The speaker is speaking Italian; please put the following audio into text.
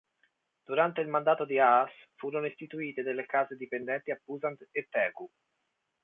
Durante il mandato di Haas, furono istituite delle case dipendenti a Pusan e Taegu.